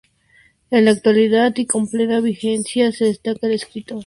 En la actualidad y con plena vigencia, se destaca el escritor.